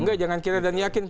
enggak jangan kita dan yakin